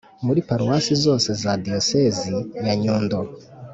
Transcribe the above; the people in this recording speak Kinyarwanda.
muri paruwasi zose za diyosezi ya nyundo